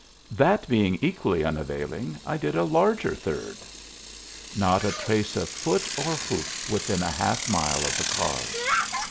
That being equally unavailing, I did a larger third. Not a trace of foot or hoof within a half mile of the cars!